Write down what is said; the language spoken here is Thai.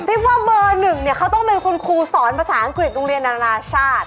เรียกว่าเบอร์หนึ่งเนี่ยเขาต้องเป็นคุณครูสอนภาษาอังกฤษโรงเรียนนานาชาติ